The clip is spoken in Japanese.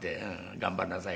「頑張んなさいよ」